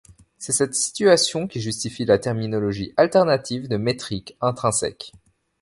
C'est cette situation qui justifie la terminologie alternative de métrique intrinsèque.